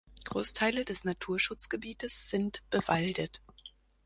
Großteile des Naturschutzgebietes sind bewaldet.